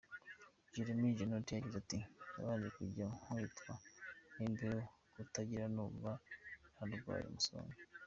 Jérémie Janot yagize ati :« Nabanje kujya nkubitwa n’imbeho ngataha numva narwaye umusonga.